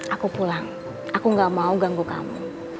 aku pulang aku gak mau ganggu kamu